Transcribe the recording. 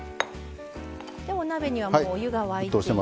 お鍋にはもうお湯が沸いています。